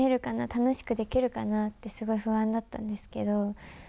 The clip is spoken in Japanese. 楽しくできるかなってすごい不安だったんですけど。